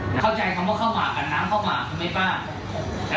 เข้าใจคำว่าข้าวหมากกับน้ำข้าวหมากใช่ไหมป่าว